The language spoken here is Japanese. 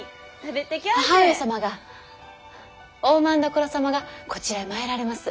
母上様が大政所様がこちらへ参られます。